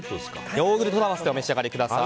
ヨーグルトに合わせてお召し上がりください。